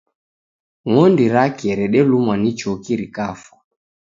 Ng'ondi rake redelumwa ni choki rikafwa